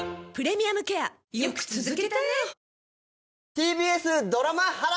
ＴＢＳドラマ波乱